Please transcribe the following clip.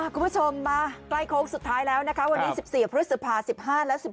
คุณผู้ชมมาใกล้โค้งสุดท้ายแล้วนะคะวันนี้๑๔พฤษภา๑๕และ๑๖